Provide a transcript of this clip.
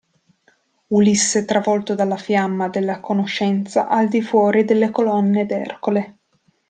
Ulisse travolto dalla fiamma della conoscenza al di fuori delle colonne d'Ercole.